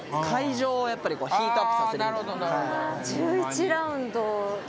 １１ラウンド。